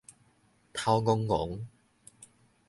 頭楞楞